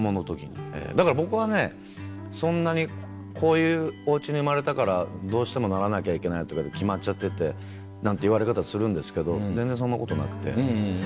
だから僕はねこういうお家に生まれたからどうしてもならなきゃいけないとかで決まっちゃっててなんて言われ方するんですけど全然そんなことなくて。